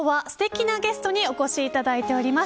そして、今日はすてきなゲストにお越しいただいております。